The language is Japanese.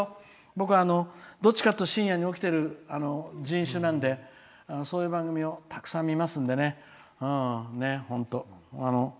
僕、どっちかっていうと深夜に起きてる人種なんでそういう番組をたくさん見ますんでね、本当。